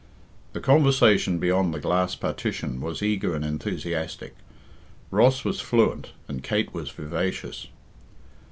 The conversation beyond the glass partition was eager and enthusiastic. Ross was fluent and Kate was vivacious.